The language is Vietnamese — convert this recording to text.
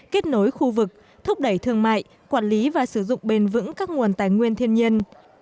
kết nối khu vực thúc đẩy thương mại quản lý và sử dụng bền vững các nguồn tài nguyên thiên nhiên